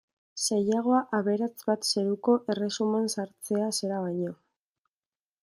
Zailagoa aberats bat zeruko erresuman sartzea zera baino.